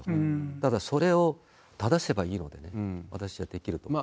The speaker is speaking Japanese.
ただ、それを正せばいいのでね、私はできると思います。